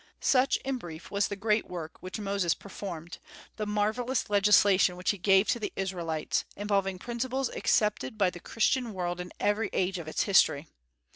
Such, in brief, was the great work which Moses performed, the marvellous legislation which he gave to the Israelites, involving principles accepted by the Christian world in every age of its history.